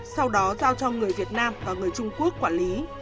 sau đó giao cho người việt nam và người trung quốc quản lý